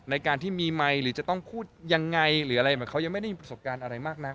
ในการที่มีไมค์หรือจะต้องพูดยังไงหรืออะไรเหมือนเขายังไม่ได้มีประสบการณ์อะไรมากนัก